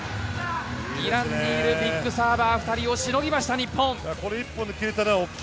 イランのビッグサーバー２人を防ぎました、日本。